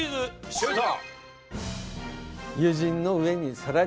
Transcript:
シュート。